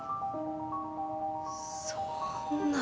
そんな。